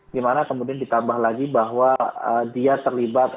di mana kemudian ditambah lagi bahwa dia terlibat